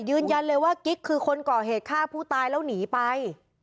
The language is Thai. ยืนยันเลยว่ากิ๊กคือคนก่อเหตุฆ่าผู้ตายแล้วหนีไป